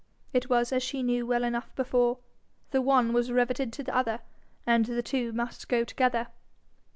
it was as she knew well enough before the one was riveted to the other, and the two must go together.